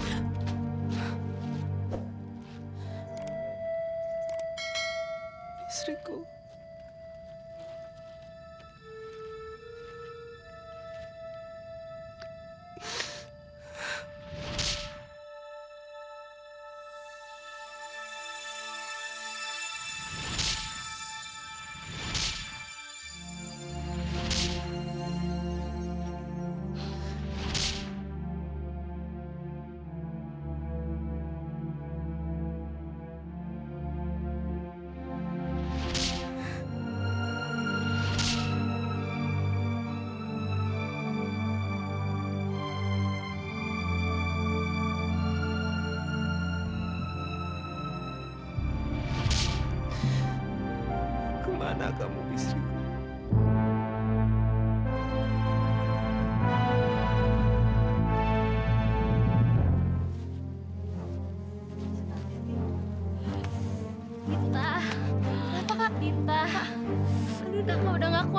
aduh sakit ya kak